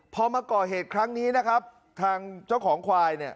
พอมาก่อเหตุครั้งนี้นะครับทางเจ้าของควายเนี่ย